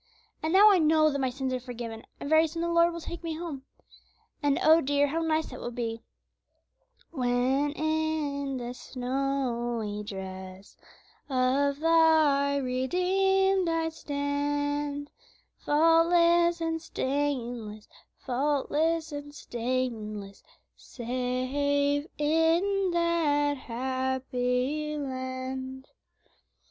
And now I know that my sins are forgiven, and very soon the Lord will take me home; and oh! dear, how nice that will be 'When in the snowy dress Of Thy redeemed I stand, Faultless and stainless, Faultless and stainless, Safe in that happy land!'"